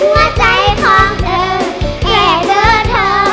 หัวใจของเธอแค่เดินเท้า